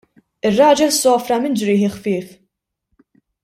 Ir-raġel sofra minn ġrieħi ħfief.